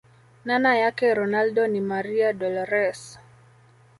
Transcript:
nana yake ronaldo ni maria dolores